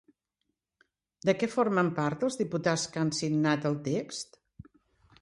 De què formen part els diputats que han signat el text?